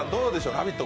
「ラヴィット！」